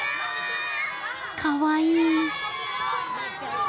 かわいい。